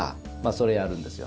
それをやるんですよ。